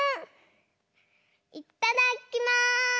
いっただっきます！